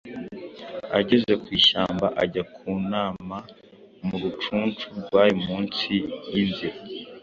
ageze ku ishyamba ajya ku nama mu rucucu rwari mu nsi y’inzira,